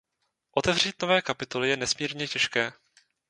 Otevřít nové kapitoly je nesmírně těžké.